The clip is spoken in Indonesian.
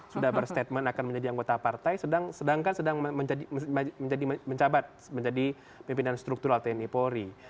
sudah berstatement akan menjadi anggota partai sedangkan sedang menjabat menjadi pimpinan struktural tni polri